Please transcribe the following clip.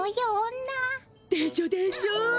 でしょでしょ？